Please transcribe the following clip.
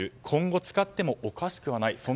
今後使ってもおかしくはない。